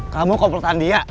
kamu komplotan dia